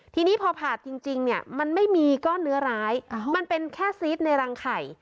ทีนี้พอผ่าจริงเนี่ยมันไม่มีก้อนเนื้อร้ายมันเป็นแค่ซีสในรังไข่